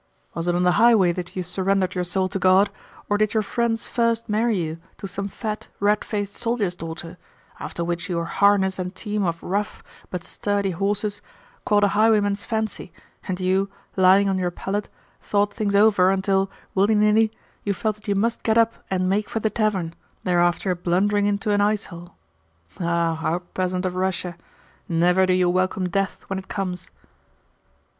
Was it on the highway that you surrendered your soul to God, or did your friends first marry you to some fat, red faced soldier's daughter; after which your harness and team of rough, but sturdy, horses caught a highwayman's fancy, and you, lying on your pallet, thought things over until, willy nilly, you felt that you must get up and make for the tavern, thereafter blundering into an icehole? Ah, our peasant of Russia! Never do you welcome death when it comes!"